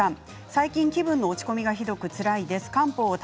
最近、気分の落ち込みがひどくてつらいです。